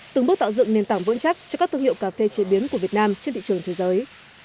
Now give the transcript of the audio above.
từng bước tạo dựng nền tảng vững chắc cho các thương hiệu cà phê chế biến của việt nam trên thị trường thế giới